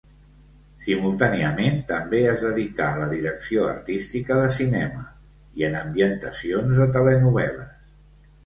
Simultàniament també es dedicà a la direcció artística de cinema i en ambientacions de telenovel·les.